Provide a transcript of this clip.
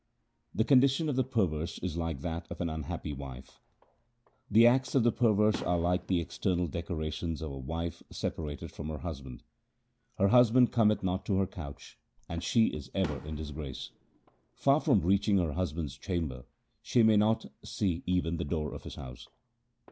The condition of the perverse is like that of an unhappy wife :— The acts of the perverse are like the external decorations of a wife separated from her husband : 1 By evil passions or the god of death. 156 THE SIKH RELIGION Her husband cometh not to her couch, and she is ever in disgrace. Far from reaching her husband's chamber, she may not see even the door of his house.